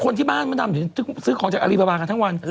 คนที่บ้านมันซื้อของจากอาริบาบาทั้งวัน